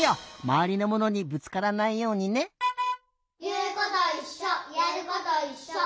まわりのものにぶつからないようにね！いうこといっしょ！